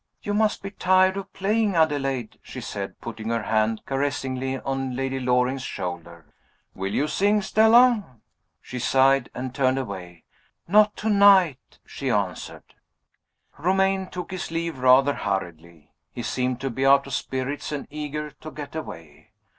"You must be tired of playing, Adelaide," she said, putting her hand caressingly on Lady Loring's shoulder. "Will you sing, Stella?" She sighed, and turned away. "Not to night," she answered. Romayne took his leave rather hurriedly. He seemed to be out of spirits and eager to get away.